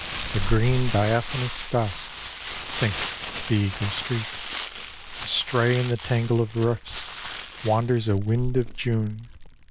The green, diaphanous dusk Sinks to the eager street. Astray in the tangle of roofs Wanders a wind of June.